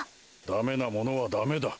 ダメなものはダメだ。